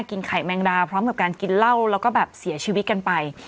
ไข่แมงดาพร้อมกับการกินเหล้าแล้วก็แบบเสียชีวิตกันไป